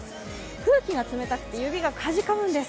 空気が冷たくて指がかじかむんです。